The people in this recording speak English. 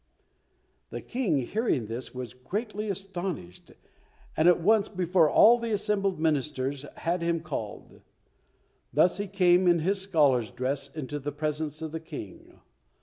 The King, hearing this, was greatly astonished, and at once before all the assembled ministers had him called. Thus he came in his scholar's dress into the presence of the King.